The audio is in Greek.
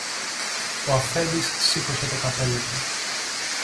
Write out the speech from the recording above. Ο αφέντης σήκωσε το καπέλο του.